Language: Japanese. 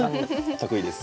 得意です